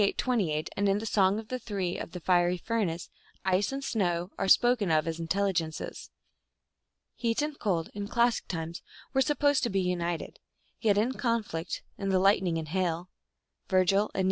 28, and in the Song of the Three in the Fiery Furnace, Ice and Snow are spoken of as intelligences. Heat and cold, in classic times, were supposed to be united, yet in conflict, in the lightning and hail (Virgil, ^n.